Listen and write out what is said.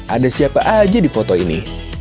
ada siapa aja di foto ini